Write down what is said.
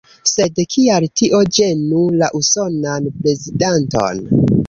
Sed kial tio ĝenu la usonan prezidanton?